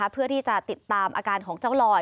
เพื่อที่จะติดตามอาการของเจ้าลอย